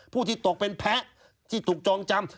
ผู้ที่ตกเป็นแพ้ที่ถูกจองจำ